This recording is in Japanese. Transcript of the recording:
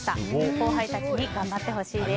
後輩たちに頑張ってほしいです。